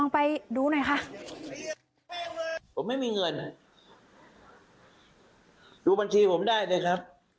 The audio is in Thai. ไปดูหน่อยค่ะ